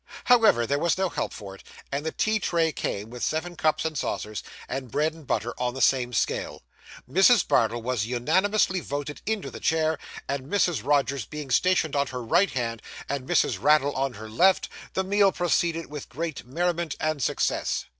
However, there was no help for it, and the tea tray came, with seven cups and saucers, and bread and butter on the same scale. Mrs. Bardell was unanimously voted into the chair, and Mrs. Rogers being stationed on her right hand, and Mrs. Raddle on her left, the meal proceeded with great merriment and success.